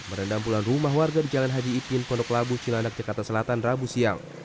merendam puluhan rumah warga di jalan haji ipin pondok labu cilandak jakarta selatan rabu siang